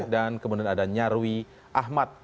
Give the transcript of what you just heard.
dan kemudian ada nyarwi ahmad